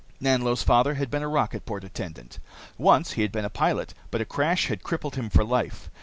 Nanlo's father had been a rocket port attendant. Once he had been a pilot, but a crash had crippled him for life.